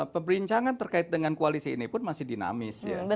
pemerincangan terkait dengan koalisi ini pun masih dinamis